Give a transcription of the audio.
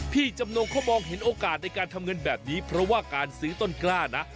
จำนงเขามองเห็นโอกาสในการทำเงินแบบนี้เพราะว่าการซื้อต้นกล้านะ